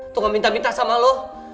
tuh gak minta minta sama lo